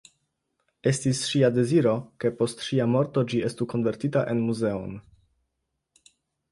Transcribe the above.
Estis ŝia deziro ke post ŝia morto ĝi estu konvertita en muzeon.